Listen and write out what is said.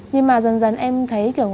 nhưng mà dần dần em thấy kiểu